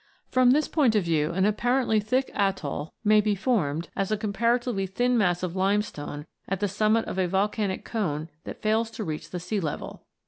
From this point of view, an apparently thick atoll may be formed as a comparatively thin mass of limestone at the summit of a volcanic cone that fails to reach the sea level.